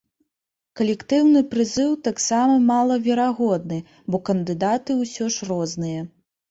Калектыўны прызыў таксама малаверагодны, бо кандыдаты ўсё ж розныя.